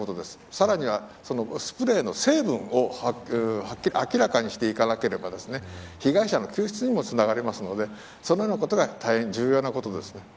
さらには、スプレーの成分を明らかにしていかなければ被害者の救出にもつながりますのでそのようなことが大変重要なことです。